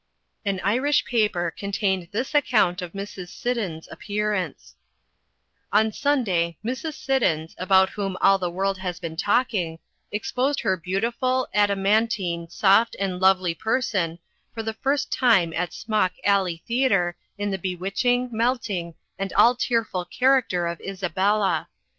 An Irish paper contained this account of Mrs. Siddons's appearance: "On Sunday, Mrs. Siddons, about whom all the world has been talking, exposed her beautiful, adamantine, soft, and lovely person, for the first time at Smock Alley Theatre in the bewitching, melting, and all tearful character of Isabella.